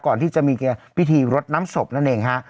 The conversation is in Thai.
ก่อนที่จะมีพิธีรดน้ำศพนั่นเองฮะ